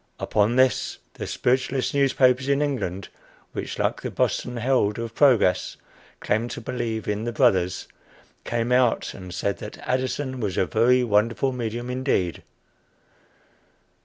Upon this the spiritualist newspapers in England, which, like the Boston Herald of Progress, claim to believe in the "Brothers," came out and said that Addison was a very wonderful medium indeed.